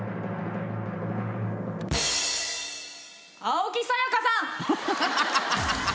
青木さやかさん！